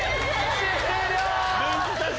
終了！